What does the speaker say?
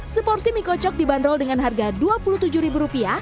seporsi mie kocok dibanderol dengan harga rp dua puluh tujuh